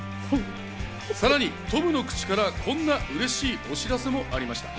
さらにトムの口からこんな嬉しいお知らせもありました。